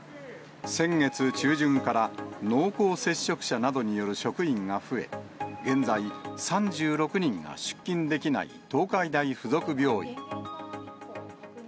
先月中旬から濃厚接触者などによる職員が増え、現在、３６人が出勤できない東海大付属病院。